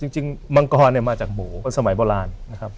จริงมังกรเนี่ยมาจากหมูสมัยเบาหลานนะครับ